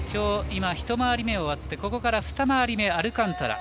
今、一回り目終わってここから二回り目、アルカンタラ。